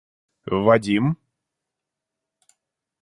Вадим